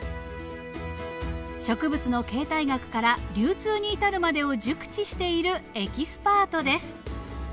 植物の形態学から流通に至るまでを熟知しているエキスパートです。